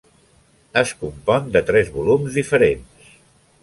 Es compon de tres volums diferents.